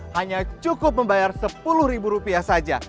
hanya cukup membayar sepuluh ribu rupiah saja